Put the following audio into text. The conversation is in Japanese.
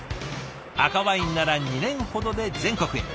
赤ワインなら２年ほどで全国へ。